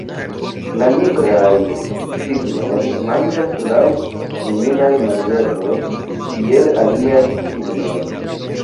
La Nigraj cignoj manĝas laŭ similaj manieroj kiel aliaj cignoj.